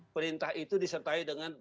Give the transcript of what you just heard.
perintah itu disertai dengan